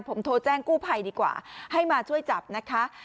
ผมโทรแจ้งกู้ภัยดีกว่าให้มาช่วยจับนะคะ